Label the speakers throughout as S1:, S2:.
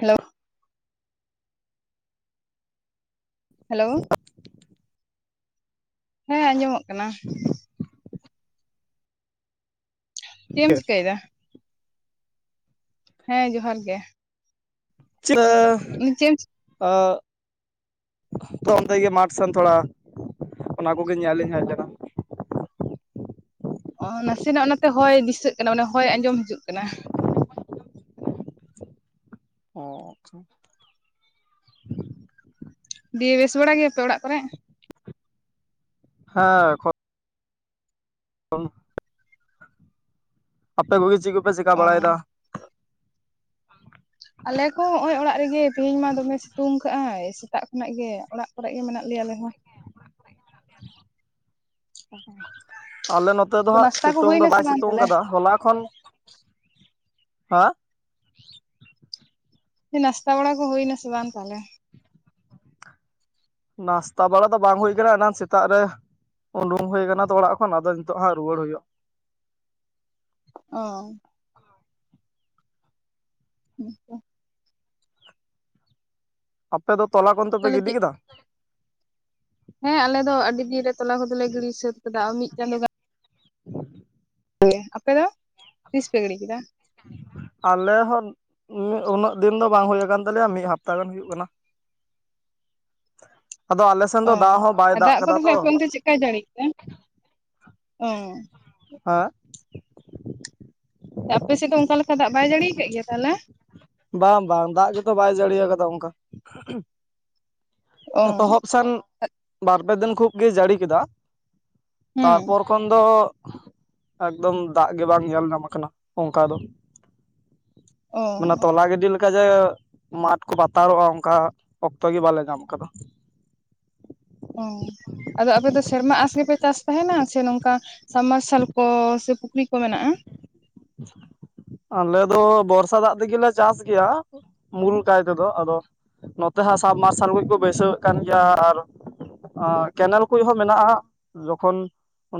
S1: Hello hello ᱦᱮᱸ ᱟᱸᱡᱚᱢᱚᱜ ᱠᱟᱱᱟ᱾ ᱪᱮᱫ ᱮᱢ ᱪᱤᱠᱟᱹᱭ ᱫᱟ᱾ ᱦᱮᱸ ᱡᱚᱦᱟᱨ ᱜᱮ
S2: [unintelligible]
S1: [unintelligible] ᱪᱮᱫ ᱮᱢ
S2: ᱟᱻ ᱛᱚ ᱚᱱᱛᱮ ᱜᱮ ᱢᱟᱴᱷ ᱥᱮᱱ ᱛᱷᱚᱲᱟ ᱚᱱᱟᱠᱜᱮ ᱧᱮᱞᱤᱧ ᱦᱮᱡ ᱞᱮᱱᱟ᱾
S1: ᱚ ᱱᱟᱥᱮᱱᱟᱜ ᱚᱱᱟᱛᱮ ᱦᱚᱭ ᱫᱤᱥᱟᱹᱜ ᱠᱟᱱᱟ, ᱚᱱᱮ ᱦᱚᱭ ᱟᱸᱡᱚᱢ ᱦᱤᱡᱩᱜ ᱠᱟᱱᱟ᱾
S2: ᱚ
S1: ᱫᱤᱭᱮ ᱵᱮᱥ ᱵᱟᱲᱟ ᱜᱮᱭᱟᱯᱮ ᱚᱲᱟᱜ ᱠᱚᱨᱮ
S2: ᱦᱮᱸ ᱮᱠᱷᱚ ᱚᱱ ᱟᱯᱮ ᱠᱚᱜᱮ ᱪᱮᱫ ᱠᱚᱯᱮ ᱪᱮᱠᱟ
S1: ᱚ
S2: ᱵᱟᱲᱟᱭᱮᱫᱟ?
S1: ᱟᱞᱮ ᱠᱚ ᱦᱚᱸᱜ-ᱚᱭ ᱚᱲᱟᱜ ᱨᱮᱜᱮ ᱛᱮᱦᱤᱧ ᱢᱟ ᱫᱚᱢᱮ ᱥᱤᱛᱩᱝ ᱠᱟᱜᱼᱟᱭ ᱥᱮᱛᱟᱜ ᱠᱷᱚᱱᱜ ᱜᱮ ᱚᱲᱟᱜ ᱠᱚᱨᱮ ᱜᱮ ᱢᱮᱱᱟᱜ ᱞᱮᱭᱟ ᱟᱞᱮ ᱦᱚᱸ᱾
S2: [unintelligible] ᱟᱞᱮ ᱱᱚᱛ ᱛᱮ ᱫᱚ
S1: ᱛᱚ
S2: ᱦᱟᱸᱜ
S1: ᱱᱟᱥᱛᱟ ᱠᱚ
S2: ᱥᱮᱛᱚᱝ ᱫᱚ
S1: ᱦᱩᱭᱱᱟ ᱥᱮ
S2: ᱵᱟᱭ
S1: ᱵᱟᱝ
S2: ᱥᱮᱛᱚᱝ
S1: ᱛᱟᱦᱚᱞᱮ
S2: ᱟᱠᱟᱫᱟ ᱦᱚᱞᱟ ᱠᱷᱚᱱ [inaudible] ᱦᱟᱸ
S1: ᱫᱤᱧ ᱱᱟᱥᱛᱟ ᱵᱲᱟ ᱠᱚ ᱦᱩᱭᱱᱟ ᱥᱮ ᱵᱟᱝ ᱛᱟᱦᱞᱮ᱾
S2: ᱱᱟᱥᱛᱟ ᱵᱟᱲᱟ ᱫᱚ ᱵᱟᱝ ᱦᱩᱭ ᱟᱠᱟᱱᱟ᱾ ᱮᱱᱟᱝ ᱥᱮᱛᱟᱜ ᱨᱮ ᱩᱰᱩᱝ ᱦᱩᱭᱟ ᱠᱟᱱᱟ ᱛᱚ ᱚᱲᱟᱜ ᱠᱷᱚᱱ ᱟᱫᱚ ᱦᱤᱸᱛᱚᱜ ᱦᱟᱸᱜ ᱨᱩᱩᱭᱟᱹᱲ ᱦᱩᱭᱩᱜᱼᱟ᱾
S1: ᱚ ᱦᱮᱸᱪᱚ
S2: ᱟᱯᱮ ᱫᱚ ᱛᱚᱞᱟ ᱠᱚ ᱚᱱᱛᱮ ᱯᱮ
S1: ᱛᱟᱦᱚᱞᱮ
S2: ᱜᱤᱰᱤ
S1: ᱪᱮᱫ
S2: ᱠᱮᱫᱟ᱾
S1: ᱦᱮᱸ ᱟᱞᱮ ᱫᱚ ᱟᱹᱰᱤ ᱫᱤᱱ ᱨᱮ ᱛᱚᱞᱟ ᱠᱚᱫᱚᱞᱮ ᱜᱤᱲᱤ ᱥᱟᱹᱛ ᱠᱟᱫᱟ ᱢᱤᱫ ᱪᱟᱸᱫᱳ ᱜᱟᱱ
S2: [inaudible]
S1: [unintelligible] ᱟᱯᱮ ᱫᱚ ᱛᱤᱥ ᱯᱮ ᱜᱤᱰᱤ ᱠᱮᱫᱟ?
S2: ᱟᱞᱮ ᱦᱚᱸ ᱩᱱᱟᱹᱜ ᱫᱤᱱ ᱫᱚ ᱵᱟᱝ ᱦᱩᱭ ᱟᱠᱟᱱ ᱛᱟᱞᱮᱭᱟ ᱢᱤᱫ ᱦᱟᱯᱛᱟ ᱜᱟᱱ ᱦᱩᱭᱩᱜ ᱠᱟᱱᱟ᱾ ᱟᱫᱚ ᱟᱞᱮ ᱥᱮᱱ
S1: ᱚ
S2: ᱫᱚ ᱫᱟᱜ ᱦᱚᱸ ᱵᱟᱭ
S1: ᱟᱨ
S2: ᱫᱟᱜ
S1: ᱠᱚ
S2: ᱠᱟᱫᱟ
S1: ᱛᱟᱦᱚᱞᱮ
S2: ᱛᱚ᱾
S1: ᱟᱯᱮ ᱚᱱᱛᱮ ᱡᱟᱹᱲᱤ [unintelligible] ᱚ
S2: ᱦᱮᱸ
S1: ᱟᱯᱮ ᱥᱮᱫ ᱫᱚ ᱚᱱᱠᱟ ᱞᱮᱠᱟ ᱫᱟᱜ ᱵᱟᱭ ᱡᱟᱹᱲᱤ ᱟᱠᱟᱫ ᱜᱮᱭᱟ ᱛᱟᱦᱚᱞᱮ᱾
S2: ᱵᱟᱝ ᱵᱟᱝ ᱫᱟᱜ ᱜᱮᱛᱚ ᱵᱟᱭ ᱡᱟᱹᱲᱤᱭᱟ ᱠᱟᱫᱟ ᱚᱱᱠᱟ᱾
S1: ᱚ
S2: ᱮᱛᱚᱦᱚᱵ ᱥᱟᱱ ᱵᱟᱨᱯᱮ ᱫᱤᱱ ᱠᱷᱩᱵᱽ ᱜᱮ ᱡᱟᱹᱲᱤ ᱠᱮᱫᱟ᱾
S1: ᱦᱩᱸ
S2: ᱛᱟᱨᱯᱚᱨ ᱠᱷᱚᱱ ᱫᱚ ᱮᱠᱫᱚᱢ ᱫᱟᱜ ᱜᱮ ᱵᱟᱝ ᱧᱮᱞ ᱧᱟᱢᱟ ᱟᱠᱟᱱᱟ ᱚᱱᱠᱟ ᱫᱚ᱾
S1: ᱚ
S2: ᱢᱟᱱᱮ ᱛᱚᱞᱟ ᱜᱤᱰᱤ ᱞᱮᱠᱟ ᱡᱮ ᱢᱟᱴᱷ ᱠᱚ ᱵᱟᱛᱟᱨᱚᱜᱼᱟ ᱚᱱᱠᱟ ᱚᱠᱛᱚ ᱜᱮ ᱵᱟᱞᱮ ᱧᱟᱢ ᱟᱠᱟᱫᱟ᱾
S1: ᱚ ᱟᱫᱚ ᱟᱯᱮ ᱥᱮᱨᱢᱟ ᱟᱥ ᱜᱮᱯᱮ ᱪᱟᱥ ᱛᱟᱦᱮᱱᱟ ᱥᱮ ᱱᱚᱝᱠᱟ ᱥᱟᱢ ᱢᱟᱨᱥᱟᱞ ᱠᱚ ᱥᱮ ᱯᱩᱠᱷᱨᱤ ᱠᱚ ᱢᱮᱱᱟᱜᱼᱟ᱾
S2: ᱟᱞᱮ ᱫᱚ ᱵᱚᱨᱥᱟ ᱫᱟᱜ ᱛᱮᱜᱮᱞᱮ ᱪᱟᱥ ᱜᱮᱭᱟ᱾ ᱢᱩᱞ ᱠᱟᱭ ᱛᱮᱫᱚ, ᱟᱫᱚ ᱱᱚᱛᱮ ᱦᱟᱸᱜ ᱥᱟᱢᱢᱟᱨᱥᱟᱞ ᱠᱚ ᱠᱚ ᱵᱟᱹᱭᱥᱟᱹᱮᱫ ᱠᱟᱱ ᱜᱮᱭᱟ ᱟᱨ ᱠᱮᱱᱮᱞ ᱠᱚ ᱢᱮᱱᱟᱜᱼᱟ ᱡᱚᱠᱷᱚᱱ,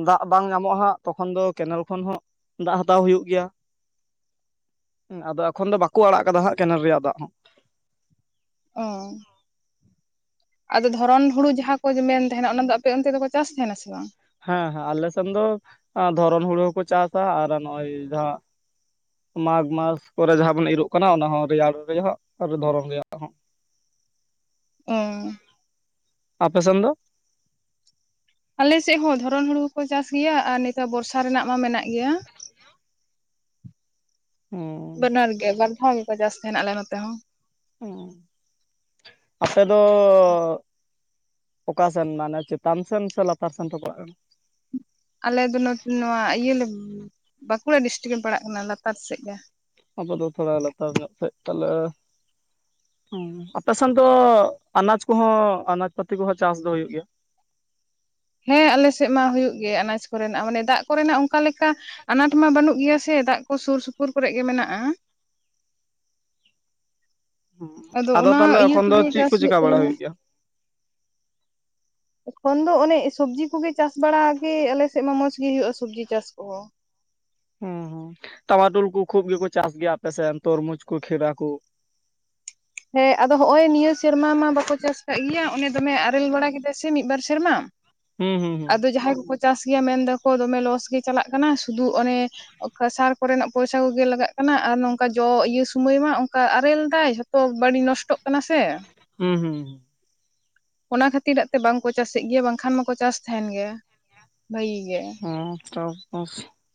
S2: ᱫᱟᱜ ᱵᱟᱝ ᱧᱟᱢᱚᱜ ᱦᱟᱸᱜ ᱛᱚᱠᱷᱚᱱ ᱫᱚ ᱠᱮᱱᱮᱞ ᱠᱷᱚᱱ ᱦᱚᱸ ᱫᱟᱜ ᱦᱟᱛᱟᱣ ᱦᱩᱭᱩᱜ ᱜᱮᱭᱟ ᱾ ᱟᱫᱚ ᱮᱠᱷᱚᱱ ᱫᱚ ᱵᱟᱠᱚ ᱟᱲᱟᱜ ᱠᱟᱫᱟ ᱦᱟᱸᱜ ᱠᱮᱱᱮᱞ ᱨᱮᱭᱟᱜ ᱫᱟᱜ ᱦᱚᱸ᱾
S1: ᱚ ᱟᱫᱚ ᱫᱷᱚᱨᱚᱱ ᱦᱩᱲᱩ ᱡᱟᱦᱟᱸ ᱠᱚ ᱢᱮᱱ ᱛᱟᱦᱮᱱᱟ ᱚᱱᱟ ᱫᱚ ᱟᱯᱮ ᱚᱱᱛᱮ ᱫᱚᱠᱚ ᱪᱟᱥ ᱛᱟᱦᱮᱱᱟ ᱥᱮ ᱵᱟᱝ?
S2: ᱦᱮᱸ ᱦᱮᱸ ᱟᱞᱮᱥᱱ ᱫᱚ ᱫᱷᱚᱨᱚᱱ ᱦᱩᱲᱩ ᱦᱚᱸᱠᱚ ᱪᱟᱥ ᱟ ᱟᱨ ᱱᱚᱜᱼᱚᱭ ᱡᱟᱦᱟᱸ ᱢᱟᱜᱽ ᱢᱟᱥ ᱠᱚᱨᱮ ᱡᱟᱦᱟᱸ ᱵᱚᱱ ᱤᱨᱚᱜ ᱠᱟᱱᱟ ᱚᱱᱟ ᱦᱚᱸ ᱨᱮᱭᱟᱲ ᱨᱮᱭᱟᱜ ᱟᱨ ᱫᱷᱚᱨᱚᱢ ᱨᱮᱭᱟᱜ ᱦᱚᱸ᱾
S1: ᱚ
S2: ᱟᱯᱮ ᱥᱚᱱ ᱫᱚ
S1: ᱟᱞᱮᱥᱮᱫ ᱦᱚᱸ ᱫᱷᱚᱨᱚᱱ ᱦᱩᱲᱩ ᱠᱚᱠᱚ ᱪᱟᱥ ᱜᱮᱭᱟ ᱟᱨ ᱱᱮᱛᱟᱨ ᱵᱚᱨᱥᱟ ᱨᱮᱱᱟᱜ ᱢᱟ ᱢᱮᱱᱟᱜ ᱜᱮᱭᱟ᱾ ᱵᱟᱱᱟᱨ ᱜᱮ ᱵᱟᱨ ᱫᱷᱟᱣ ᱜᱮᱠᱚ ᱪᱟᱥ ᱛᱟᱦᱮᱱᱟ ᱟᱞᱮ ᱱᱚᱛᱮ ᱦᱚᱸ᱾
S2: ᱚ ᱟᱯᱮ ᱫᱚ ᱚᱠᱟᱥᱮᱱ ᱢᱟᱱᱮ ᱪᱮᱛᱟᱱ ᱥᱮᱱ ᱥᱮ ᱞᱟᱛᱟᱨ ᱥᱮᱱ ᱯᱟᱲᱟᱜ ᱠᱟᱱᱟ᱾
S1: ᱟᱞᱮ ᱫᱚ ᱱᱚᱛᱮ ᱱᱚᱣᱟ ᱤᱭᱟᱹ ᱞᱮ ᱵᱟᱸᱠᱩᱲᱟ ᱰᱤᱥᱴᱤᱠ ᱞᱮ ᱯᱟᱲᱟᱜ ᱠᱟᱱᱟ ᱞᱟᱛᱟᱨ ᱥᱮᱫ ᱜᱮ᱾
S2: ᱟᱵᱚ ᱫᱚ ᱛᱷᱚᱲᱟ ᱞᱟᱛᱟᱨ ᱧᱚᱜ ᱥᱮᱡ ᱛᱟᱦᱚᱞᱮ᱾ ᱟᱯᱮᱥᱮᱱ ᱫᱚ ᱟᱱᱟᱡᱽ ᱠᱚᱦᱚᱸ ᱟᱱᱟᱡᱽ ᱯᱟᱹᱛᱤ ᱠᱚᱦᱚᱸ ᱪᱟᱥ ᱫᱚ ᱦᱩᱭᱩᱜ ᱜᱮᱭᱟ᱾
S1: ᱦᱮᱸ ᱟᱞᱮᱥᱮᱫ ᱢᱟ ᱦᱩᱭᱩᱜ ᱜᱮ ᱟᱱᱟᱡᱽ ᱠᱚᱨᱮᱱᱟᱜ ᱢᱟᱱᱮ ᱫᱟᱜ ᱠᱚᱨᱮᱱᱟᱜ ᱚᱱᱠᱟ ᱞᱮᱠᱟ ᱟᱱᱟᱴ ᱢᱟ ᱵᱟᱹᱱᱩᱜ ᱜᱮᱭᱟ ᱥᱮ ᱫᱟᱜ ᱠᱚ ᱥᱩᱨ ᱥᱩᱯᱩᱨ ᱠᱚᱨᱮ ᱜᱮ ᱢᱮᱱᱟᱜᱼᱟ᱾ ᱟᱫᱚ ᱚᱱᱟ
S2: ᱛᱟᱦᱚᱞᱮ
S1: ᱤᱭᱟᱹ
S2: ᱮᱠᱷᱚᱱ ᱫᱚ
S1: ᱛᱮᱜᱮ
S2: ᱪᱮᱫ
S1: ᱪᱟᱥ
S2: ᱠᱚ
S1: ᱦᱩᱭᱩᱜ
S2: ᱪᱮᱠᱟ ᱵᱟᱲᱟ
S1: ᱛᱟᱦᱮᱸᱱᱟ
S2: ᱜᱮᱭᱟ?
S1: ᱠᱷᱚᱱ ᱫᱚ ᱚᱱᱮ ᱥᱚᱵᱽᱡᱤ ᱠᱚᱜᱮ ᱪᱟᱥ ᱵᱟᱲᱟᱜ ᱜᱮ ᱟᱞᱮᱥᱮᱫ ᱢᱟ ᱢᱚᱸᱡᱽ ᱜᱤᱦᱳᱭᱳᱜᱼᱟ ᱥᱚᱵᱽᱡᱤ ᱪᱟᱥ ᱠᱚᱦᱚᱸ
S2: ᱦᱩᱸ ᱦᱩᱸ ᱴᱟᱢᱟᱴᱳᱞ ᱠᱚ ᱠᱷᱩᱵ ᱜᱮᱠᱚ ᱪᱟᱥ ᱜᱮᱭᱟ ᱟᱯᱮᱥᱮᱫ ᱛᱚᱨᱢᱩᱡᱽ ᱠᱚ ᱠᱷᱨᱟᱠᱩ
S1: ᱦᱮᱸ ᱟᱫᱚ ᱦᱚᱜ-ᱚᱭ ᱱᱤᱭᱟᱹ ᱥᱮᱨᱢᱟ ᱢᱟ ᱵᱟᱠᱚ ᱪᱟᱥ ᱠᱟᱜ ᱜᱮᱭᱟ ᱚᱱᱮ ᱫᱚᱢᱮ ᱟᱨᱮᱞ ᱵᱟᱲᱟ ᱠᱮᱫᱟᱭ ᱥᱮ ᱢᱤᱫᱵᱟᱨ ᱥᱮᱨᱢᱟ,
S2: ᱦᱩᱸ ᱦᱩᱸ ᱦᱩᱸ
S1: ᱟᱫᱚ ᱡᱟᱦᱟᱸᱭ ᱠᱚᱠᱚ ᱪᱟᱥ ᱜᱮᱭᱟ ᱢᱮᱱ ᱮᱫᱟᱠᱚ ᱫᱚᱢᱮ ᱞᱚᱥ ᱜᱮ ᱪᱟᱞᱟᱜ ᱠᱟᱱᱟ ᱥᱩᱫᱩ ᱚᱱᱮ ᱠᱷᱟᱥᱟᱣ ᱠᱚᱨᱮᱱᱟᱜ ᱯᱚᱭᱥᱟ ᱠᱚᱜᱮ ᱞᱟᱜᱟᱜ ᱠᱟᱱᱟ ᱟᱨ ᱱᱚᱝᱠᱟ ᱡᱚ ᱤᱭᱟᱹ ᱥᱚᱢᱚᱭ ᱢᱟ ᱚᱱᱠᱟ ᱟᱨᱮᱞ ᱫᱟᱭ ᱛᱚ ᱵᱟᱹᱲᱤᱡ ᱱᱚᱥᱴᱚᱜ ᱠᱟᱱᱟ ᱥᱮ
S2: ᱦᱩᱸ ᱦᱩᱸ ᱦᱩᱸ
S1: ᱚᱱᱟ ᱠᱷᱟᱹᱛᱤᱨᱟᱜ ᱛᱮ ᱵᱟᱝᱠᱚ ᱪᱟᱥ ᱮᱫ ᱜᱮᱭᱟ ᱵᱟᱝᱠᱷᱟᱱ ᱢᱟᱠᱚ ᱪᱟᱥ ᱛᱟᱦᱮᱱ ᱜᱮᱭᱟ, ᱵᱟᱹᱜᱤ ᱜᱮ
S2: ᱴᱚᱵ [unintelligible]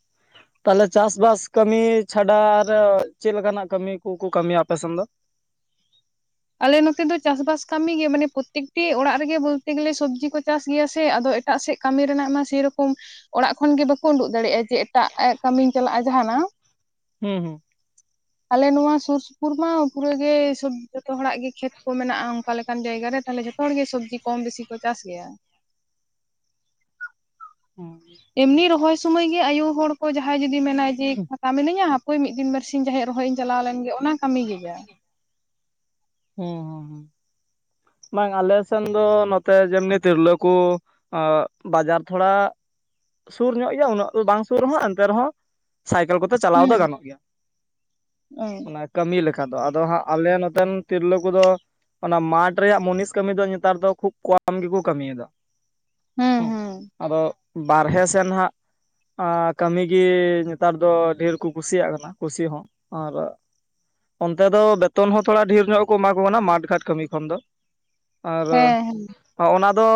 S1: [inaudible]
S2: ᱛᱟᱦᱚᱞᱮ ᱪᱟᱥ ᱵᱟᱥ ᱠᱟᱹᱢᱤ ᱪᱷᱟᱰᱟ ᱟᱨ ᱪᱮᱫ ᱞᱮᱠᱟᱱᱟᱜ ᱠᱟᱹᱢᱤ ᱠᱚᱠᱚ ᱠᱟᱹᱢᱤᱭᱟ ᱟᱯᱮᱥᱮᱱ ᱫᱚ
S1: ᱟᱞᱮ ᱱᱚᱛᱮ ᱫᱚ ᱪᱟᱥᱵᱟᱥ ᱠᱟᱹᱢᱤ ᱜᱮ ᱢᱟᱱᱮ ᱯᱨᱚᱛᱛᱮᱠᱴᱤ ᱚᱲᱟᱜ ᱨᱮᱜᱮ ᱵᱚᱞᱛᱮ ᱜᱮᱞᱮ ᱥᱚᱵᱽᱡᱤ ᱠᱚ ᱪᱟᱥ ᱜᱮᱭᱟ ᱥᱮ ᱟᱫᱚ ᱮᱴᱟᱜ ᱥᱮᱫ ᱠᱟᱹᱢᱤ ᱨᱮᱱᱟᱜ ᱢᱟ ᱥᱮᱨᱚᱠᱚᱢ, ᱚᱲᱟᱜ ᱠᱷᱚᱱᱜᱮ ᱵᱟᱠᱚ ᱩᱸᱰᱩᱠ ᱫᱟᱲᱮᱭᱟᱜᱼᱟ ᱡᱮ ᱮᱴᱟᱜ ᱠᱟᱹᱢᱤᱧ ᱪᱟᱞᱟᱜᱼᱟ ᱡᱟᱦᱟᱱᱟᱜ
S2: ᱦᱩᱸ ᱦᱩᱸ
S1: ᱟᱞᱮ ᱱᱚᱣᱟ ᱥᱩᱨ ᱥᱩᱯᱩᱨ ᱢᱟ ᱯᱩᱨᱟᱹᱜ ᱜᱮ ᱥᱩᱵ ᱡᱷᱚᱛᱚ ᱦᱚᱲᱟᱜ ᱜᱮ ᱠᱷᱮᱛ ᱠᱚ ᱢᱮᱱᱟᱜᱼᱟ ᱚᱱᱠᱟ ᱞᱮᱠᱟᱱ ᱡᱟᱭᱜᱟ ᱨᱮ ᱛᱟᱦᱚᱞᱮ ᱡᱷᱚᱛᱚ ᱦᱚᱲ ᱜᱮ ᱥᱚᱵᱽᱡᱤ ᱠᱚᱢ ᱵᱮᱥᱤ ᱠᱚ ᱪᱟᱥ ᱜᱮᱭᱟ᱾
S2: ᱦᱩᱸ ᱦᱩᱸ
S1: ᱮᱢᱱᱤ ᱨᱚᱦᱚᱭ ᱥᱩᱢᱚᱭ ᱜᱮ ᱟᱭᱩ ᱦᱚᱲ ᱠᱚ ᱡᱟᱦᱟᱸᱭ ᱡᱩᱫᱤ ᱢᱮᱱᱟᱭ ᱡᱮ ᱯᱷᱟᱸᱠᱟ ᱢᱤᱹᱱᱤᱧᱟ᱾ ᱦᱳᱭ ᱢᱤᱫ ᱫᱤᱱ ᱵᱟᱨᱥᱤᱧ ᱡᱟᱦᱮᱭᱟᱜ ᱨᱚᱦᱚᱭ ᱤᱧ ᱪᱟᱞᱟᱣ ᱞᱮᱱᱜ ᱜᱮ ᱚᱱᱟ ᱠᱟᱹᱢᱤ ᱜᱮ ᱡᱟ
S2: ᱦᱩᱸ ᱦᱩᱸ ᱦᱩᱸ ᱵᱟᱝ ᱟᱞᱮ ᱥᱮᱱ ᱫᱚ ᱱᱚᱛᱮ ᱡᱮᱢᱱᱤ ᱛᱤᱨᱞᱟᱹᱠᱩ ᱵᱟᱡᱟᱨ ᱛᱷᱚᱲᱟ ᱥᱩᱨ ᱧᱚᱜ ᱜᱮᱭᱟ ᱩᱱᱟᱹᱜ ᱫᱚ ᱵᱟᱝ ᱥᱩᱨ ᱨᱮᱦᱚᱸ ᱮᱱᱛᱮ ᱨᱮᱦᱚᱸ ᱥᱟᱭᱠᱮᱞ ᱠᱚᱛᱮ ᱪᱟᱞᱟᱣ ᱫᱚ
S1: ᱦᱩᱸ
S2: ᱜᱟᱱᱚᱜ ᱜᱮᱭᱟ
S1: ᱦᱩᱸ
S2: ᱚᱱᱟ ᱠᱟᱹᱢᱤ ᱞᱮᱠᱟ ᱫᱚ ᱟᱫᱚ ᱦᱟᱸᱜ ᱟᱞᱮ ᱱᱚᱛᱮᱱ ᱛᱤᱨᱞᱟᱹ ᱠᱚᱫᱚ ᱚᱱᱟ ᱢᱟᱴᱷ ᱨᱮᱭᱟᱜ ᱢᱩᱱᱤᱥ ᱠᱟᱹᱢᱤ ᱫᱚ ᱱᱮᱛᱟᱨ ᱫᱚ ᱠᱷᱩᱵ ᱠᱚᱢ ᱜᱮᱠᱚ ᱠᱟᱹᱢᱤᱭᱮᱫᱟ
S1: ᱦᱩᱸ
S2: ᱦᱮ
S1: ᱦᱩᱸ
S2: ᱟᱫᱚ ᱵᱟᱨᱦᱮ ᱥᱮᱱ ᱦᱟᱸᱜ ᱟᱨ ᱠᱟᱹᱢᱤᱜᱤ ᱜᱮ ᱱᱮᱛᱟᱨ ᱫᱚ ᱰᱷᱮᱨ ᱠᱚ ᱠᱩᱥᱤᱭᱟᱜ ᱠᱟᱱᱟ ᱠᱩᱥᱤ ᱦᱚᱸ ᱟᱨ ᱚᱱᱛᱮ ᱫᱚ ᱵᱮᱛᱚᱱ ᱦᱚᱸ ᱛᱷᱚᱲᱟ ᱰᱷᱮᱨ ᱧᱚᱜ ᱠᱚ ᱮᱢᱟ ᱠᱚ ᱠᱟᱱᱟ ᱢᱟᱴᱷ ᱜᱷᱟᱴ ᱠᱟᱹᱢᱤ ᱠᱷᱚᱱ ᱫᱚ ᱟᱨ
S1: ᱦᱮᱸ
S2: ᱚᱱᱟ ᱫᱚ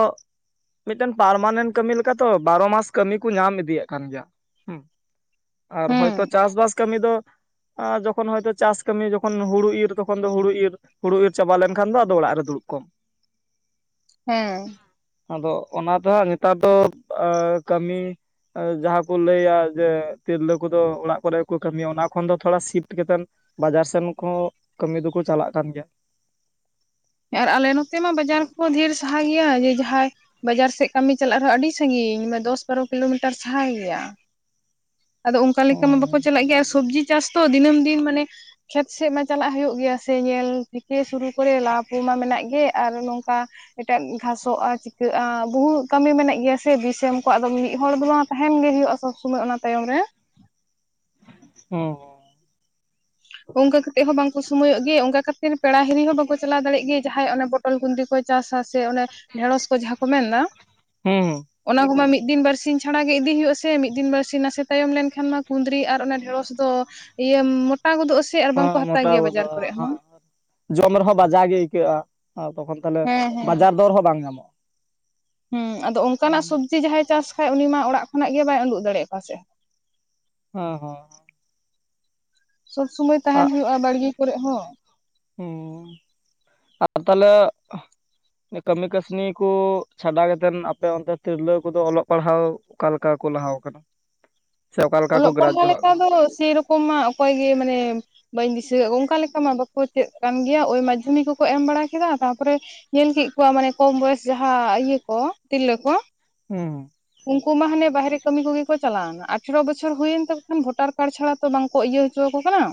S2: ᱢᱤᱫᱴᱮᱱ ᱯᱟᱨᱢᱟᱱᱮᱱᱴ ᱠᱟᱹᱢᱤᱛᱚ ᱵᱟᱨᱚ ᱢᱟᱥ ᱠᱟᱹᱢᱤ ᱠᱚ ᱧᱟᱢ ᱤᱫᱤᱭᱮᱫ ᱠᱟᱱ ᱜᱮᱭᱟ ᱦᱩᱸ ᱟᱨ ᱦᱚᱭᱛᱚ
S1: ᱦᱮᱸ
S2: ᱪᱟᱥᱵᱟᱥ ᱠᱟᱹᱢᱤ ᱫᱚ ᱟᱨ ᱡᱚᱠᱷᱚᱱ ᱦᱳᱭᱛᱳ ᱪᱟᱥ ᱠᱟᱹᱢᱤ ᱡᱚᱠᱷᱚᱱ ᱦᱳᱲᱩ ᱤᱨ ᱛᱚᱠᱷᱚᱱ ᱦᱩᱲᱩ ᱤᱨ ᱦᱩᱲᱩ ᱤᱨ ᱪᱟᱵᱟ ᱞᱮᱱᱠᱷᱟᱱ ᱫᱚ ᱟᱫᱚ ᱚᱲᱟᱜ ᱨᱮ ᱫᱩᱲᱩᱵ ᱠᱚᱢ
S1: ᱦᱮᱸ
S2: ᱟᱫᱚ ᱚᱱᱟ ᱫᱚᱦᱟᱸᱜ ᱱᱮᱛᱟᱨ ᱫᱚ ᱠᱟᱹᱢᱤ ᱡᱟᱦᱟᱸ ᱠᱚ ᱞᱟᱹᱭᱟ ᱡᱮ ᱛᱤᱨᱞᱟᱹ ᱠᱚᱫᱚ ᱚᱲᱟᱜ ᱠᱚᱨᱮ ᱠᱚ ᱠᱟᱹᱢᱤᱭᱟ ᱚᱱᱟ ᱠᱷᱚᱱ ᱫᱚ ᱛᱷᱚᱲᱟ ᱥᱤᱯᱴ ᱠᱟᱛᱮᱱ ᱵᱟᱡᱟᱨ ᱥᱮᱱ ᱠᱚᱦᱚᱸ ᱠᱟᱹᱢᱤ ᱫᱚᱠᱚ ᱪᱟᱞᱟᱜ ᱠᱟᱱ ᱜᱮᱭᱟ
S1: ᱟᱨ ᱟᱞᱮ ᱱᱚᱛᱮ ᱢᱟ ᱵᱟᱡᱟᱨ ᱠᱚᱦᱚᱸ ᱰᱷᱮᱨ ᱥᱟᱦᱟ ᱜᱮᱭᱟ ᱡᱮ ᱡᱟᱦᱟᱸᱭ ᱵᱟᱡᱟᱨ ᱥᱮᱫ ᱠᱟᱹᱢᱤ ᱪᱟᱞᱟᱜ ᱨᱮᱦᱚᱸ ᱟᱹᱰᱤ ᱥᱟᱜᱤᱧ ᱢᱟᱱᱮ ᱫᱚᱥ ᱵᱟᱨᱚ ᱠᱤᱞᱳᱢᱤᱴᱟᱨ ᱥᱟᱦᱟ ᱜᱮᱭᱟ ᱟᱫᱚ ᱚᱱᱠᱟ ᱞᱮᱠᱟ ᱢᱟ ᱵᱟᱠᱚ
S2: ᱦᱩᱸ
S1: ᱪᱟᱞᱟᱜ ᱜᱮᱭᱟ ᱥᱚᱵᱽᱡᱤ ᱪᱟᱥ ᱛᱚ ᱫᱤᱱᱟᱹᱢ ᱫᱤᱱ ᱢᱟᱱᱮ ᱠᱷᱮᱛ ᱥᱮᱫ ᱢᱟ ᱪᱟᱞᱟᱜ ᱦᱩᱭᱩᱜ ᱜᱮᱭᱟ ᱥᱮ ᱧᱮᱞ ᱛᱷᱮᱠᱮ ᱥᱩᱨᱩ ᱠᱚᱨᱮ ᱞᱟᱵ ᱢᱟ ᱢᱮᱱᱟᱜ ᱜᱮ ᱟᱨ ᱱᱚᱝᱠᱟ ᱮᱴᱟᱜ ᱜᱷᱟᱥᱚᱜᱼᱟ ᱪᱤᱠᱟᱹᱜᱼᱟ ᱵᱚᱦᱩ ᱠᱟᱹᱢᱤ ᱢᱮᱱᱟᱜ ᱜᱮᱭᱟ ᱥᱮ ᱵᱤᱥ ᱮᱢ ᱠᱚ ᱟᱫᱚ ᱢᱤᱫ ᱦᱚᱲ ᱫᱚ ᱵᱟᱝ ᱛᱟᱦᱮᱸᱱ ᱜᱮ ᱦᱳᱭᱳᱼᱟ ᱥᱚᱵᱽ ᱥᱳᱢᱚᱭ ᱚᱱᱟ ᱛᱟᱭᱚᱢ ᱨᱮ
S2: ᱦᱩᱸ
S1: ᱚᱱᱠᱟ ᱠᱟᱛᱮᱜ ᱦᱚᱸ ᱵᱟᱝᱠᱚ ᱥᱚᱢᱚᱭᱚᱜ ᱜᱮ ᱚᱱᱠᱟ ᱠᱷᱟᱹᱛᱤᱨ ᱯᱮᱲᱟ ᱦᱤᱨᱤ ᱦᱚᱸ ᱵᱟᱠᱚ ᱪᱟᱞᱟᱣ ᱫᱟᱲᱮᱭᱟᱜ ᱜᱮ ᱡᱟᱦᱟᱸᱭ ᱚᱱᱚ ᱵᱚ ᱯᱚᱴᱚᱞ ᱠᱩᱸᱫᱨᱤ ᱠᱚ ᱪᱟᱥᱟ ᱥᱮ ᱚᱱᱚ ᱰᱷᱮᱸᱲᱚᱥ ᱠᱚ ᱡᱟᱦᱟᱸ ᱠᱚ ᱢᱮᱱ ᱫᱟ ᱾
S2: ᱦᱩᱸ ᱾
S1: ᱠᱚ ᱢᱟ ᱢᱤᱫ ᱫᱤᱱ ᱵᱟᱨᱥᱤᱧ ᱪᱷᱟᱲᱟ ᱜᱮ ᱤᱫᱤ ᱦᱩᱭᱩᱜᱼᱟ ᱥᱮ, ᱢᱤᱫ ᱫᱤᱱ ᱵᱟᱨᱥᱤᱧ ᱱᱟᱥᱮ ᱛᱟᱭᱚᱢ ᱞᱮᱱᱠᱷᱟᱱ ᱢᱟ ᱠᱩᱸᱫᱽᱨᱤ ᱟᱨ ᱚᱱᱟ ᱰᱷᱮᱲᱚᱥ ᱫᱚ ᱤᱭᱟᱹ ᱢᱚᱴᱟ ᱜᱚᱫᱚᱜ ᱟᱥᱮ ᱟᱨ ᱵᱟᱝ ᱠᱚ ᱦᱟᱛᱟᱣ
S2: ᱢᱚᱴᱟᱣ
S1: ᱜᱮᱭᱟ ᱵᱟᱡᱟᱨ
S2: ᱜᱚᱫᱚᱜᱼᱟ
S1: ᱠᱚᱨᱮᱜ ᱦᱚᱸ
S2: ᱦᱮᱸ
S1: ᱾
S2: ᱡᱚᱢ ᱨᱮᱦᱚᱸ ᱵᱟᱡᱟ ᱜᱮ ᱟᱹᱭᱠᱟᱹᱜᱼᱟ, ᱟᱨ ᱛᱚᱠᱷᱚᱱ ᱛᱟᱦᱚᱞᱮ
S1: ᱦᱮᱸ ᱦᱮᱸ
S2: ᱵᱟᱡᱟᱨ ᱫᱚᱨ ᱦᱚᱸ ᱵᱟᱝ ᱧᱟᱢᱚᱜᱼᱟ ᱾
S1: ᱦᱮᱸ ᱟᱫᱚ ᱚᱱᱠᱟᱱᱟᱜ ᱥᱚᱵᱽᱡᱤ ᱡᱟᱦᱟᱸᱭᱮ ᱪᱟᱥ ᱠᱷᱟᱡ ᱩᱱᱤ ᱢᱟ ᱚᱲᱟᱜ ᱠᱷᱚᱱᱟᱜ ᱜᱮ ᱵᱟᱭ ᱩᱸᱰᱩᱜ ᱫᱟᱲᱮᱭᱟᱜᱼᱟ ᱚᱠᱟ ᱥᱮᱫ ᱦᱚ ᱾
S2: ᱦᱚᱸ ᱦᱚᱸ ᱾
S1: ᱥᱚᱵᱽ ᱥᱚᱢᱚᱭ ᱛᱟᱦᱮᱱ ᱦᱩᱭᱩᱜᱼᱟ ᱵᱟᱲᱜᱮ ᱠᱚᱨᱮᱜ ᱦᱚᱸ ᱾
S2: ᱦᱮᱸ ᱟᱨ ᱛᱟᱞᱦᱮ ᱼᱼ ᱠᱟᱹᱢᱤ ᱠᱟᱹᱥᱱᱤ ᱠᱚ ᱪᱷᱟᱰᱟ ᱠᱟᱛᱮᱫ, ᱟᱯᱮ ᱚᱱᱛᱮ ᱛᱤᱨᱞᱟᱹ ᱠᱚᱫᱚ ᱚᱞᱚᱜ ᱯᱟᱲᱦᱟᱣ ᱚᱠᱟ ᱞᱮᱠᱟ ᱠᱚ ᱞᱟᱦᱟᱣ ᱟᱠᱟᱱᱟ?
S1: [inaudible] ᱚᱞᱚᱜ ᱯᱟᱲᱦᱟᱣ ᱞᱮᱠᱟ ᱫᱚ ᱥᱮᱨᱚᱠᱚᱢ ᱢᱟ ᱚᱠᱚᱭ ᱜᱮ ᱢᱟᱱᱮ ᱵᱟᱹᱧ ᱫᱤᱥᱟᱹᱭᱮᱫ ᱠᱚ, ᱚᱱᱠᱟ ᱞᱮᱠᱟ ᱢᱟ ᱠᱚ ᱪᱮᱫ ᱠᱟᱱ ᱜᱮᱭᱟ ᱳᱭ ᱢᱟᱫᱽᱫᱷᱚᱢᱤᱠ ᱠᱚᱠᱚ ᱮᱢ ᱵᱟᱲᱟ ᱠᱮᱫᱟ ᱛᱟᱨᱯᱚᱨᱮ ᱧᱮᱞ ᱠᱮᱫ ᱠᱚᱣᱟ, ᱢᱟᱱᱮ ᱠᱚᱢ ᱵᱚᱭᱮᱥ ᱡᱟᱦᱟᱸ ᱤᱭᱟᱹ ᱠᱚ ᱛᱤᱨᱞᱟᱹ ᱠᱚ ᱾
S2: ᱦᱩᱸ ᱾
S1: ᱩᱱᱠᱩ ᱢᱟ ᱦᱟᱱᱮ ᱵᱟᱦᱨᱮ ᱠᱟᱹᱢᱤ ᱠᱚᱜᱮ ᱠᱚ ᱪᱟᱞᱟᱣ ᱮᱱᱟ ᱾ ᱟᱨ ᱟᱴᱷᱮᱨᱚ ᱵᱚᱪᱷᱚᱨ ᱦᱩᱭᱮᱱ ᱛᱟᱠᱚ ᱠᱷᱟᱱ ᱵᱷᱳᱴᱟᱨ ᱠᱟᱨᱰ ᱪᱷᱟᱲᱟ ᱛᱚ ᱵᱟᱝ ᱠᱚ ᱤᱭᱟᱹ ᱦᱚᱪᱚᱣᱟᱠᱚ ᱠᱟᱱᱟ,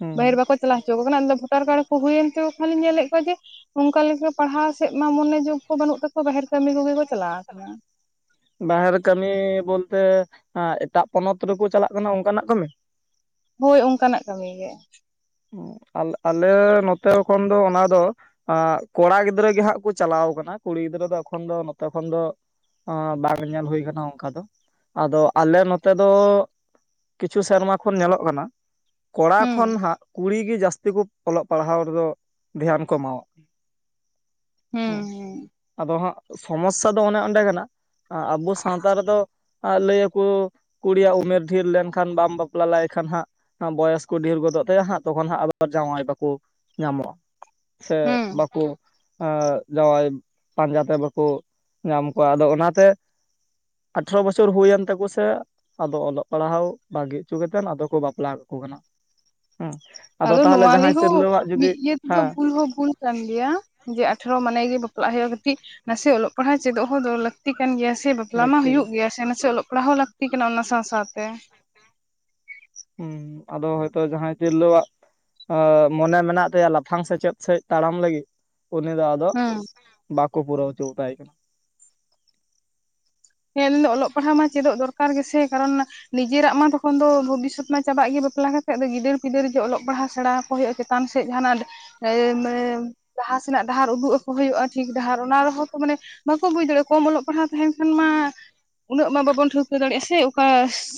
S2: ᱦᱩᱸ
S1: ᱵᱟᱹᱦᱤᱨ ᱵᱟᱠᱚ ᱪᱟᱞᱟᱣ ᱦᱚᱪᱚ ᱠᱟᱱᱟ, ᱟᱫᱚ ᱵᱷᱳᱴᱟᱨ ᱠᱟᱨᱰ ᱠᱚ ᱦᱩᱭᱮᱱ ᱛᱮᱠᱚ ᱠᱷᱟᱱᱤᱧ ᱧᱮᱞᱮᱫ ᱠᱚᱣᱟ ᱡᱮ ᱚᱱᱠᱟ ᱞᱮᱠᱟ ᱯᱟᱲᱦᱟᱣ ᱥᱮᱫ ᱢᱟ ᱢᱚᱱᱮ ᱡᱳᱜᱽ ᱠᱚ ᱵᱟᱹᱱᱩᱜ ᱛᱟᱠᱚᱣᱟ, ᱵᱟᱦᱮᱨ ᱠᱟᱹᱢᱤ ᱠᱚᱜᱮ ᱠᱚ ᱪᱟᱞᱟᱣ ᱟᱠᱟᱱᱟ ᱾
S2: ᱵᱟᱦᱮᱨ ᱠᱟᱹᱢᱤ ᱵᱚᱞᱛᱮ ᱮᱴᱟᱜ ᱯᱚᱱᱚᱛ ᱨᱮᱠᱚ ᱪᱟᱞᱟᱜ ᱠᱟᱱᱟ ᱚᱱᱠᱟᱱᱟᱜ ᱠᱟᱹᱢᱤ?
S1: ᱦᱳᱭ ᱚᱱᱠᱟᱱᱟᱜ ᱠᱟᱹᱢᱤ ᱜᱮ ᱾
S2: ᱦᱩᱸ ᱟᱞᱼᱟᱞᱮ ᱱᱚᱛᱮ ᱠᱷᱚᱱ ᱫᱚ ᱚᱱᱟ ᱫᱚ ᱟᱸ ᱠᱚᱲᱟ ᱜᱤᱫᱽᱨᱟᱹ ᱜᱮ ᱦᱟᱸᱜ ᱠᱚ ᱪᱟᱞᱟᱣ ᱠᱟᱱᱟ, ᱠᱩᱲᱤ ᱜᱤᱫᱽᱨᱟᱹ ᱫᱚ ᱮᱠᱷᱚᱱ ᱫᱚ ᱱᱚᱛᱮ ᱠᱷᱚᱱ ᱫᱚ ᱟᱸ ᱵᱟᱝ ᱧᱮᱞ ᱦᱩᱭ ᱟᱠᱟᱱᱟ ᱚᱱᱠᱟ ᱫᱚ ᱾ ᱟᱫᱚ ᱟᱞᱮ ᱱᱚᱛᱮ ᱫᱚ ᱠᱤᱪᱷᱩ ᱥᱮᱨᱢᱟ ᱠᱷᱚᱱ ᱧᱮᱞᱚᱜ ᱠᱟᱱᱟ ᱠᱚᱲᱟ
S1: ᱦᱩᱸ
S2: ᱠᱷᱚᱱ ᱦᱟᱸᱜ ᱠᱩᱲᱤ ᱜᱮ ᱡᱟᱹᱥᱛᱤ ᱠᱚ ᱚᱞᱚᱜ ᱯᱟᱲᱦᱟᱣ ᱨᱮᱫᱚ ᱫᱷᱮᱭᱟᱱ ᱠᱚ ᱮᱢᱟᱣᱟ ᱾
S1: ᱦᱮᱸ ᱦᱮᱸ ᱾
S2: ᱟᱫᱚ ᱦᱟᱸᱜ ᱥᱚᱢᱚᱥᱥᱟ ᱫᱚ ᱚᱱᱮ ᱚᱱᱰᱮ ᱠᱟᱱᱟ, ᱟᱵᱚ ᱥᱟᱶᱛᱟ ᱨᱮᱫᱚ ᱞᱟᱹᱭᱟᱠᱚ ᱠᱩᱲᱤᱭᱟᱜ ᱩᱢᱮᱨ ᱰᱷᱮᱨ ᱞᱮᱱᱠᱷᱟᱱ, ᱵᱟᱢ ᱵᱟᱯᱞᱟ ᱞᱮᱭ ᱠᱷᱟᱱ ᱦᱟᱸᱜ ᱵᱚᱭᱚᱥ ᱠᱚ ᱰᱷᱮᱨ ᱜᱚᱫᱚᱜ ᱛᱟᱭᱟ ᱦᱟᱸᱜ ᱾ ᱛᱚᱠᱷᱚᱱ ᱦᱟᱸᱜ ᱟᱵᱟᱨ ᱡᱟᱶᱟᱭ ᱵᱟᱠᱚ ᱧᱟᱢᱚᱜᱼᱟ ᱥᱮ
S1: ᱦᱩᱸ
S2: ᱵᱟᱠᱚ ᱮᱸ ᱡᱟᱶᱟᱭ ᱯᱟᱸᱡᱟ ᱛᱮ ᱵᱟᱠᱚ ᱧᱟᱢ ᱠᱚᱣᱟ ᱾ ᱟᱫᱚ ᱚᱱᱟᱛᱮ ᱟᱴᱷᱨᱚ ᱵᱚᱪᱷᱚᱨ ᱦᱩᱭᱮᱱ ᱛᱟᱠᱩ ᱥᱮ ᱟᱫᱚ ᱚᱞᱚᱜ ᱯᱟᱲᱦᱟᱣ ᱵᱟᱹᱜᱤ ᱦᱩᱪᱩ ᱠᱟᱛᱮᱫ ᱟᱫᱚ ᱠᱚ ᱵᱟᱯᱞᱟ ᱠᱟᱠᱚ ᱠᱟᱱᱟ ᱾ ᱦᱩᱸ ᱾
S1: ᱟᱫᱚ ᱱᱚᱣᱟ ᱞᱮᱦᱚᱸ, ᱢᱤᱫ ᱤᱭᱟᱹ ᱛᱮᱫᱚ
S2: ᱦᱮᱸ
S1: ᱵᱷᱩᱞ ᱦᱚᱸ ᱵᱷᱩᱞ ᱠᱟᱱ ᱜᱮᱭᱟ, ᱡᱮ ᱟᱴᱷᱨᱚ ᱢᱟᱱᱮ ᱜᱮ ᱵᱟᱯᱞᱟᱜ ᱦᱩᱭᱩᱜᱼᱟ ᱠᱟᱹᱴᱤᱜ ᱱᱟᱥᱮ ᱚᱞᱚᱜ ᱯᱟᱲᱦᱟᱜ ᱪᱮᱫᱚᱜ ᱦᱚᱸ ᱞᱟᱹᱠᱛᱤ ᱠᱟᱱ ᱜᱮᱭᱟ ᱥᱮ ᱾ ᱵᱟᱯᱞᱟ ᱢᱟ
S2: ᱞᱟᱹᱠᱛᱤ
S1: ᱦᱳᱭᱳᱜ ᱜᱮᱭᱟ ᱥᱮ ᱱᱟᱥᱮ ᱚᱞᱚᱜ ᱯᱟᱲᱦᱟᱜ ᱦᱚᱸ ᱞᱟᱹᱠᱛᱤ ᱠᱟᱱᱟ ᱚᱱᱟ ᱥᱟᱶ ᱥᱟᱶᱛᱮ ᱾
S2: ᱦᱩᱸ ᱟᱫᱚ ᱦᱳᱭᱛᱚ ᱡᱟᱦᱟᱸᱭ ᱛᱤᱨᱞᱟᱹᱣᱟᱜ ᱢᱚᱱᱮ ᱢᱮᱱᱟᱜ ᱛᱟᱭᱟ ᱞᱟᱯᱷᱟᱝ ᱥᱮᱪᱮᱫ ᱥᱮᱫ ᱛᱟᱲᱟᱢ ᱞᱟᱹᱜᱤᱫ, ᱩᱱᱤ ᱫᱚ
S1: ᱦᱩᱸ ᱾
S2: ᱵᱟᱠᱩ ᱯᱩᱨᱟᱹᱣ ᱦᱩᱪᱩ ᱟᱛᱟᱭ ᱠᱟᱱᱟ ᱾
S1: ᱦᱮᱸ ᱚᱞᱚᱜ ᱯᱟᱲᱦᱟᱜ ᱢᱟ ᱪᱮᱫᱚᱜ ᱫᱚᱨᱠᱟᱨ ᱜᱮ ᱥᱮ ᱠᱟᱨᱚᱱ ᱱᱤᱡᱮᱨᱟᱜ ᱢᱟ ᱛᱚᱠᱷᱚᱱ ᱫᱚ ᱵᱷᱚᱵᱤᱥᱥᱚᱛ ᱢᱟ ᱪᱟᱵᱟᱜ ᱜᱮ ᱵᱟᱯᱞᱟ ᱠᱟᱛᱮᱜ, ᱟᱫᱚ ᱜᱤᱫᱟᱹᱨ ᱯᱤᱫᱟᱹᱨ ᱡᱮ ᱚᱞᱚᱜ ᱯᱟᱲᱦᱟᱜ ᱥᱮᱬᱟ ᱟᱠᱚ ᱦᱩᱭᱩᱜᱼᱟ ᱪᱮᱛᱟᱱ ᱥᱮᱫ ᱡᱟᱦᱟᱱᱟᱜ [unintelligible] ᱞᱟᱦᱟ ᱥᱮᱱᱟᱜ ᱰᱟᱦᱟᱨ ᱩᱰᱩᱜ ᱟᱠᱚ ᱦᱩᱭᱩᱜᱼᱟ, ᱴᱷᱤᱠ ᱰᱟᱦᱟᱨ ᱚᱱᱟ ᱨᱮᱦᱚᱸ ᱛᱚ ᱢᱟᱱᱮ ᱵᱟᱠᱚ ᱵᱩᱡᱽ ᱫᱟᱲᱮᱭᱟᱜᱼᱟ, ᱠᱚᱢ ᱚᱞᱚᱜ ᱯᱟᱲᱦᱟᱜ ᱛᱟᱦᱮᱱ ᱠᱷᱟᱱ ᱢᱟ ᱩᱱᱟᱹᱜ ᱢᱟ ᱵᱟᱵᱚᱱ ᱴᱷᱟᱹᱣᱠᱟᱹ ᱫᱟᱲᱮᱭᱟᱜᱼᱟ ᱥᱮ ᱚᱠᱟ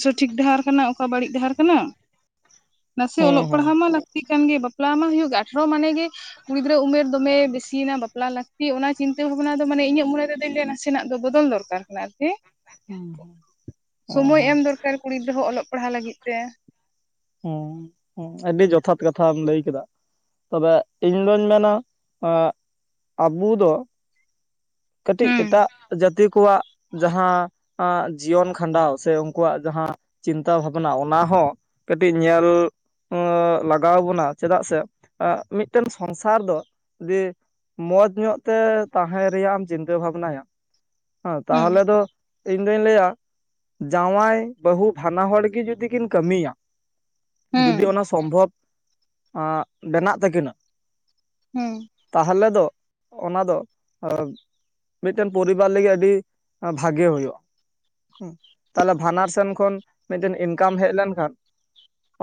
S1: ᱥᱚᱴᱷᱤᱠ ᱰᱟᱦᱟᱨ ᱠᱟᱱᱟ ᱚᱠᱟ ᱵᱟᱹᱲᱤᱡ ᱰᱟᱦᱟᱨ ᱠᱟᱱᱟ ᱾ ᱱᱟᱥᱮ
S2: ᱦᱩᱸ
S1: ᱚᱞᱚᱜ ᱯᱟᱲᱦᱟᱜ
S2: ᱦᱩᱸ
S1: ᱢᱟ ᱞᱟᱹᱠᱛᱤ ᱠᱟᱱ ᱜᱮ ᱵᱟᱯᱞᱟ ᱢᱟ ᱦᱩᱭᱩᱜ ᱟᱴᱷᱨᱚ ᱢᱟᱱᱮ ᱜᱮ ᱠᱩ ᱜᱤᱫᱽᱨᱟᱹ ᱩᱢᱮᱨ ᱫᱚᱢᱮ ᱵᱮᱥᱤᱭᱮᱱᱟ ᱵᱟᱯᱞᱟ ᱞᱟᱹᱠᱛᱤᱜ ᱚᱱᱟ ᱪᱤᱱᱛᱟᱹ ᱵᱷᱟᱵᱽᱱᱟ ᱫᱚ ᱢᱟᱱᱮ ᱤᱧᱟᱹᱜ ᱢᱚᱱᱮ ᱛᱮᱫᱚᱮ ᱱᱟᱥᱮᱱᱟᱜ ᱫᱚ ᱵᱚᱫᱚᱞ ᱫᱚᱨᱠᱟᱨ [unintelligible] ᱠᱟᱱᱟ ᱟᱨᱠᱤ
S2: ᱦᱩᱸ
S1: ᱥᱚᱢᱚᱭ
S2: ᱦᱩᱸ
S1: ᱮᱢ ᱫᱚᱨᱠᱟᱨ ᱠᱩᱲᱤ ᱜᱤᱫᱽᱨᱟᱹ ᱦᱚᱸ ᱚᱞᱚᱜ ᱯᱟᱲᱦᱟᱣ ᱞᱟᱹᱜᱤᱫ ᱛᱮ
S2: ᱦᱮᱸ ᱟᱹᱰᱤ ᱡᱚᱛᱷᱟᱛ ᱠᱟᱛᱷᱟᱢ ᱞᱟᱹᱭ ᱠᱮᱫᱟ᱾ ᱛᱚᱵᱮ ᱤᱧ ᱫᱩᱧ ᱢᱮᱱᱟ ᱟᱵᱚ ᱫᱚ ᱠᱟᱹᱴᱤᱡ
S1: ᱦᱩᱸ
S2: ᱮᱴᱟᱜ ᱡᱟᱹᱛᱤ ᱠᱚᱣᱟᱜ ᱡᱟᱦᱟᱸ ᱡᱤᱭᱚᱱ ᱠᱷᱟᱸᱰᱟᱣ ᱥᱮ ᱩᱱᱠᱩᱣᱟᱜ ᱡᱟᱦᱟᱸ ᱪᱤᱱᱛᱟᱹ ᱵᱷᱟᱵᱱᱟ ᱚᱱᱟ ᱦᱚᱸ ᱠᱟᱹᱴᱤᱡ ᱧᱮᱞ ᱞᱟᱜᱟᱣ ᱵᱚᱱᱟ᱾ ᱪᱮᱫᱟᱜ ᱥᱮ ᱢᱤᱫᱴᱮᱱ ᱥᱚᱝᱥᱟᱨ ᱫᱚ ᱫᱮ ᱢᱚᱸᱡᱽ ᱧᱚᱜ ᱛᱮ ᱛᱟᱦᱮᱸ ᱨᱮᱭᱟᱜ ᱮᱢ ᱪᱤᱱᱛᱟᱹ ᱵᱷᱟᱵᱽᱱᱟᱭᱟ᱾ ᱦᱮᱸ
S1: ᱦᱩᱸ
S2: ᱛᱟᱦᱚᱞᱮ ᱫᱚ ᱤᱧᱫᱩᱧ ᱞᱟᱹᱭᱟ᱾ ᱡᱟᱶᱟᱭ ᱵᱟᱹᱦᱩ ᱵᱟᱱᱟ ᱦᱚᱲ ᱜᱮ ᱡᱩᱫᱤ ᱠᱤᱱ ᱠᱟᱹᱢᱤᱭᱟ᱾ ᱡᱚᱫᱤ
S1: ᱦᱩᱸ
S2: ᱚᱱᱟ ᱥᱚᱢᱵᱷᱚᱵᱽ ᱮ ᱵᱮᱱᱟᱜ ᱛᱟᱹᱠᱤᱱᱟ᱾
S1: ᱦᱩᱸ
S2: ᱛᱟᱦᱚᱞᱮ ᱫᱚ ᱚᱱᱟ ᱫᱚ ᱢᱤᱫᱴᱮᱱ ᱯᱚᱨᱤᱵᱟᱨ ᱞᱟᱹᱜᱤᱫ ᱟᱹᱰᱤ ᱵᱷᱟᱜᱮ ᱦᱩᱭᱩᱜᱼᱟ᱾ ᱦᱮ ᱛᱟᱦᱞᱮ ᱵᱟᱱᱟᱨ ᱥᱮᱱ ᱠᱷᱚᱱ ᱢᱤᱫᱴᱮᱱ ᱤᱱᱠᱟᱢ ᱦᱮᱡ ᱞᱮᱱᱠᱷᱟᱱ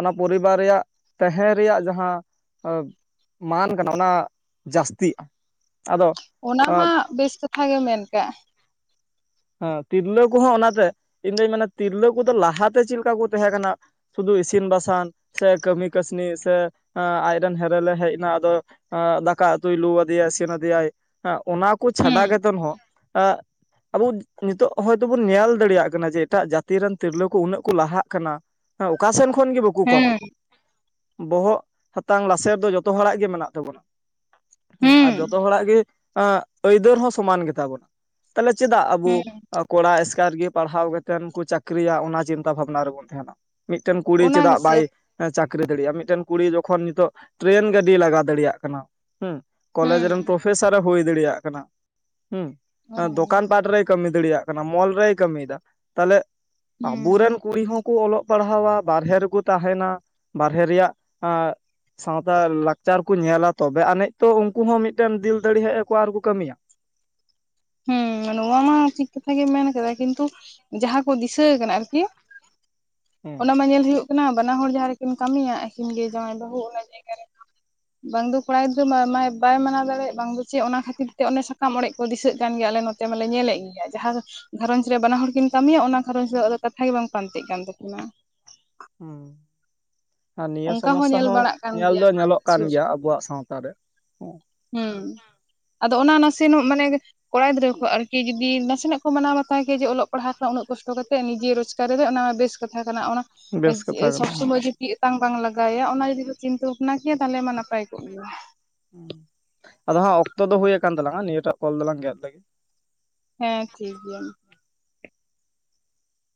S2: ᱚᱱᱟ ᱯᱚᱨᱤᱵᱟᱨ ᱨᱮᱭᱟᱜ ᱛᱟᱦᱮᱸ ᱨᱮᱭᱟᱜ ᱡᱟᱦᱟᱸ ᱢᱟᱱ ᱠᱟᱱᱟ ᱚᱱᱟ ᱡᱟᱹᱥᱛᱤᱜᱼᱟ᱾ ᱟᱫᱚ
S1: ᱚᱱᱟ ᱢᱟ ᱵᱮᱥ ᱠᱟᱛᱷᱟ ᱜᱮ ᱢᱮᱱ ᱠᱮᱫ
S2: ᱦᱮᱸ ᱛᱤᱨᱞᱟᱹ ᱠᱚᱦᱚᱸ ᱚᱱᱟᱛᱮ ᱤᱧ ᱫᱩᱧ ᱢᱮᱱᱟ ᱛᱤᱨᱞᱟᱹ ᱠᱚᱫᱚ ᱞᱟᱦᱟᱛᱮ ᱪᱮᱫ ᱞᱮᱠᱟ ᱠᱚ ᱛᱟᱦᱮᱸ ᱠᱟᱱᱟ᱾ ᱥᱩᱫᱷᱩ ᱤᱥᱤᱱ ᱵᱟᱥᱟᱝ ᱥᱮ ᱠᱟᱹᱢᱤ ᱠᱟᱹᱥᱱᱤ ᱥᱮ ᱟᱡᱨᱮᱱ ᱦᱮᱨᱮᱞᱮ ᱦᱮᱡ ᱮᱱᱟ ᱟᱫᱚ᱾ ᱫᱟᱠᱟ ᱩᱛᱩᱭ ᱞᱩ ᱟᱫᱮᱭᱟᱭ ᱥᱮᱱ ᱟᱫᱮᱭᱟᱭ᱾ ᱚᱱᱟ ᱠᱚ ᱪᱷᱟᱰᱟ
S1: ᱦᱩᱸ
S2: ᱠᱟᱛᱮᱫ ᱦᱚᱸ ᱮ ᱟᱵᱚ ᱱᱤᱛᱚᱜ ᱦᱚᱭᱛᱚ ᱵᱚᱱ ᱧᱮᱞ ᱫᱟᱲᱮᱭᱟᱜ ᱠᱟᱱᱟ ᱡᱮ ᱮᱴᱟᱜ ᱡᱟᱹᱛ ᱨᱮᱱ ᱛᱤᱨᱞᱟᱹ ᱠᱚ ᱩᱱᱟᱹᱜ ᱠᱚ ᱞᱟᱦᱟᱜ ᱠᱟᱱᱟ᱾ ᱮ ᱚᱠᱟ ᱥᱮᱱ ᱠᱷᱚᱱ ᱜᱮ ᱵᱟ ᱵᱟᱹᱠᱩ ᱠᱚ
S1: ᱦᱩᱸ
S2: ᱵᱚᱦᱚᱜ ᱦᱟᱛᱟᱝ ᱞᱟᱥᱮᱨ ᱫᱚ ᱡᱚᱛᱚ ᱦᱚᱲᱟᱜ ᱜᱮ ᱢᱮᱱᱟᱜ ᱛᱟᱵᱚᱱᱟ᱾ ᱦᱮᱸ ᱟᱨ ᱡᱚᱛᱚ
S1: ᱦᱩᱸ
S2: ᱦᱚᱲᱟᱜ ᱜᱮ ᱟᱹᱭᱫᱟᱹᱨ ᱦᱚᱸ ᱥᱚᱢᱟᱱ ᱜᱮᱛᱟᱵᱚᱱᱟ᱾ ᱪᱮᱫᱟᱜ ᱟᱵᱚ
S1: ᱦᱩᱸ
S2: ᱠᱚᱲᱟ ᱮᱥᱠᱟᱨ ᱜᱮ ᱯᱟᱲᱦᱟᱣ ᱠᱟᱛᱮᱫ ᱠᱚ ᱪᱟᱹᱠᱨᱤᱭᱟ᱾ ᱚᱱᱟ ᱪᱤᱱᱛᱟᱹ ᱵᱷᱟᱵᱽᱱᱟ ᱨᱮᱵᱚᱱ ᱛᱟᱦᱮᱱᱟ᱾ ᱢᱤᱫᱴᱮᱱ ᱠᱩᱲᱤ
S1: ᱚᱱᱟ
S2: ᱪᱮᱫᱟᱜ
S1: ᱜᱮᱥᱮ
S2: ᱵᱟᱭ ᱪᱟᱠᱨᱤ ᱫᱟᱲᱤᱭᱟᱜᱼᱟ᱾ ᱢᱤᱫᱴᱮᱱ ᱠᱩᱲᱤ ᱡᱚᱠᱷᱚᱱ ᱱᱤᱛᱚᱜ ᱴᱨᱮᱱ ᱜᱟᱹᱰᱤ ᱞᱟᱜᱟ ᱫᱟᱲᱮᱭᱟᱜ ᱠᱟᱱᱟ᱾ ᱦᱮᱸ ᱠᱚᱞᱮᱡᱽ ᱨᱮᱱ
S1: ᱦᱩᱸ
S2: ᱯᱨᱚᱯᱷᱮᱥᱟᱨ ᱮ ᱦᱩᱭ ᱫᱟᱲᱮᱭᱟᱜ ᱠᱟᱱᱟ᱾ ᱦᱮᱸ ᱫᱚᱠᱟᱱ
S1: [unintelligible]
S2: ᱯᱟᱴ ᱨᱮᱭ ᱠᱟᱹᱢᱤ ᱫᱟᱲᱮᱭᱟᱜ ᱠᱟᱱᱟ᱾ ᱢᱚᱞ ᱨᱮᱭ ᱠᱟᱹᱢᱤᱭᱮᱫᱟ᱾ ᱛᱟᱦᱚᱞᱮ
S1: ᱦᱩᱸ
S2: ᱟᱵᱚᱨᱮᱱ ᱠᱩᱲᱤ ᱦᱚᱸ ᱠᱚ ᱚᱞᱚᱜ ᱯᱟᱲᱦᱟᱣᱟ ᱵᱟᱨᱦᱮ ᱨᱮᱠᱚ ᱛᱟᱦᱮᱱᱟ᱾ ᱵᱟᱨᱦᱮ ᱨᱮᱭᱟᱜ ᱥᱟᱶᱛᱟ ᱞᱟᱠᱪᱟᱨᱠᱩ ᱧᱮᱞᱟ᱾ ᱛᱚᱵᱮ ᱟᱹᱱᱤᱡ ᱛᱚ ᱩᱱᱠᱩ ᱦᱚᱸ ᱢᱤᱫᱴᱮᱱ ᱫᱤᱞ ᱫᱟᱲᱮ ᱦᱮᱡ ᱟᱠᱚ ᱟᱨᱠᱩ ᱠᱟᱹᱢᱤᱭᱟ᱾
S1: ᱦᱮᱸ ᱱᱚᱣᱟ ᱢᱟ ᱴᱷᱤᱠ ᱠᱟᱛᱷᱟ ᱜᱮᱢ ᱢᱮᱱ ᱠᱟᱫᱟ ᱠᱤᱱᱛᱩ ᱡᱟᱦᱟᱸ ᱠᱚ ᱫᱤᱥᱟᱹ ᱠᱟᱱᱟ ᱟᱨᱠᱤ᱾
S2: ᱦᱮᱸ
S1: ᱚᱱᱟᱢᱟ ᱧᱮᱞ ᱦᱩᱭᱩᱜ ᱠᱟᱱᱟ ᱵᱟᱱᱟ ᱦᱚᱲ ᱡᱟᱦᱟᱸ ᱨᱮᱠᱤᱱ ᱠᱟᱹᱢᱤᱭᱟ᱾ ᱟᱹᱠᱤᱱ ᱜᱮ ᱡᱟᱶᱟᱭ ᱵᱟᱹᱦᱩ ᱚᱱᱟ ᱡᱟᱜᱟ ᱨᱮ ᱵᱟᱝ ᱫᱚ ᱠᱚᱲᱟ ᱜᱤᱫᱽᱨᱟᱹ ᱵᱟᱭ ᱢᱟᱱᱟᱣ ᱫᱟᱲᱮᱭᱟᱜ ᱵᱟᱝ ᱫᱚ ᱪᱮᱫ ᱚᱱᱟ ᱠᱷᱟᱹᱛᱤᱨ ᱛᱮ ᱥᱟᱠᱟᱢ ᱚᱲᱮᱡ ᱠᱚ ᱫᱤᱥᱟᱹᱜ ᱠᱟᱱ ᱜᱮᱭᱟᱞᱮ ᱱᱚᱛᱮ ᱢᱟᱞᱮ ᱧᱮᱞᱮᱫ ᱜᱮᱭᱟ ᱡᱟᱦᱟᱸ ᱜᱷᱟᱨᱚᱸᱡᱽ ᱨᱮ ᱵᱟᱱᱟ ᱦᱚᱲ ᱠᱤᱱ ᱠᱟᱹᱢᱤᱭᱟ ᱚᱱᱟ ᱜᱷᱟᱨᱚᱸᱡᱽ ᱨᱮ ᱟᱫᱚ ᱠᱟᱛᱷᱟᱜ ᱜᱮ ᱵᱟᱝ ᱯᱟᱱᱛᱤᱜ ᱠᱟᱱ ᱛᱟᱹᱠᱤᱱᱟ᱾
S2: ᱦᱩᱸ ᱟᱨ ᱱᱤᱭᱟᱹ
S1: ᱚᱱᱠᱟ
S2: ᱥᱚᱢᱚᱥᱥᱟ
S1: ᱧᱮᱞ
S2: ᱦᱚᱸ
S1: ᱵᱟᱲᱟᱜ ᱠᱟᱱ
S2: ᱧᱮᱞ
S1: ᱜᱮᱭᱟ
S2: ᱫᱚ ᱧᱮᱞᱚᱜ ᱠᱟᱱ
S1: ᱥᱩᱨ
S2: ᱜᱮᱭᱟ ᱟᱵᱚᱣᱟᱜ ᱥᱟᱶᱛᱟ ᱨᱮ
S1: ᱦᱮᱸ ᱟᱫᱚ ᱚᱱᱟ ᱱᱟᱥᱮ ᱱᱚᱜ ᱢᱟᱱᱮ ᱠᱚᱲᱟ ᱜᱤᱫᱽᱨᱟᱹᱣᱟᱜ ᱟᱨᱠᱤ ᱡᱩᱫᱤ ᱱᱟᱥᱮᱱᱟᱜ ᱠᱚ ᱢᱟᱱᱟᱣ ᱵᱟᱛᱣᱟ ᱡᱮ ᱚᱞᱚᱜ ᱯᱟᱲᱦᱟᱜ ᱠᱟᱱᱟᱭ ᱩᱱᱟᱹᱜ ᱠᱚᱥᱴᱚ ᱠᱟᱛᱮᱜ ᱱᱤᱡᱮ ᱨᱳᱡᱽᱜᱟᱨ ᱚᱱᱟ ᱵᱮᱥ ᱠᱟᱛᱷᱟ ᱠᱟᱱᱟ ᱚᱱᱟ
S2: ᱵᱮᱥ ᱠᱟᱛᱷᱟ
S1: ᱥᱚᱵᱽ
S2: ᱠᱟᱱᱟ
S1: ᱥᱚᱢᱚᱭ [unintelligible] ᱪᱮᱫ ᱟᱛᱟᱝ ᱵᱟᱝ ᱞᱟᱜᱟᱣᱭᱟ᱾ ᱚᱱᱟ ᱡᱩᱫᱤ ᱠᱚ ᱪᱤᱱᱛᱟᱹ ᱵᱷᱟᱵᱽᱱᱟ ᱠᱮᱭᱟ ᱛᱟᱦᱚᱞᱮ ᱢᱟ ᱱᱟᱯᱟᱭ ᱠᱚᱜ ᱜᱮᱭᱟ᱾
S2: ᱟᱫᱚ ᱦᱟᱸᱜ ᱚᱠᱛᱚ ᱫᱚ ᱦᱩᱭ ᱟᱠᱟᱱ ᱛᱟᱞᱟᱝᱼᱟ᱾ ᱱᱤᱭᱟᱹᱴᱟᱜ ᱠᱚᱞ ᱫᱚᱞᱟᱝ ᱜᱮᱫ ᱞᱮᱜᱮ᱾
S1: ᱦᱮᱸ ᱴᱷᱤᱠ ᱜᱮᱭᱟ᱾